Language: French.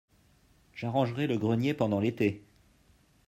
j'arrangerai le grenier pendant l'été.